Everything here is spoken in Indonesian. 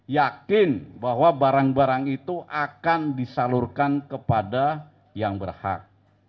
yakin bahwa barang barang itu akan disalurkan kepada yang berhak